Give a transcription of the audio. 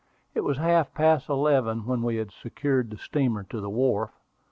It was half past eleven when we had secured the steamer to the wharf.